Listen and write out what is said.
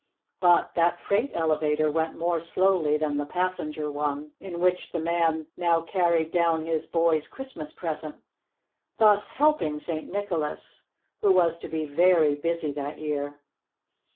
But that freight elevator went more slowly than the passenger one in which the man now carried down his boy's Christmas present, thus helping St. Nicholas, who was to be very busy that year.